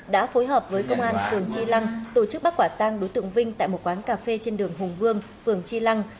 đã phối hợp với công an phường tri lăng tổ chức bắt quả tang đối tượng vinh tại một quán cà phê trên đường hùng vương phường tri lăng